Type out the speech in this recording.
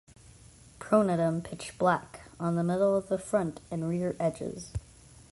Pronotum pitch black on the middle of the front and rear edges.